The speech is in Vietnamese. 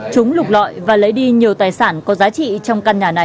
chúng lục lọi và lấy đi nhiều tài sản có giá trị trong căn nhà này